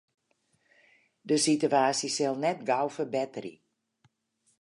De sitewaasje sil net gau ferbetterje.